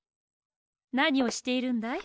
なにをしているんだい？